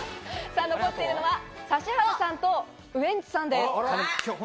さぁ残っているのは指原さんとウエンツさんです。